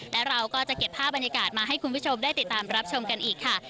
และเราก็จะเก็บภาพบรรยากาศมาให้คุณผู้ชมได้ติดตามรับชมกันอีกค่ะ